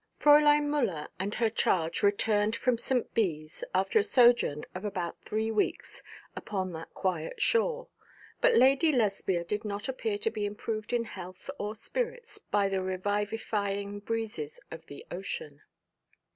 Fräulein Müller and her charge returned from St. Bees after a sojourn of about three weeks upon that quiet shore: but Lady Lesbia did not appear to be improved in health or spirits by the revivifying breezes of the ocean.